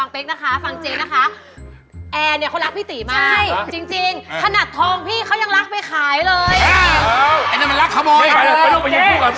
นอกจากคนอื่นหนูไม่เคยมีพี่เลยนะพี่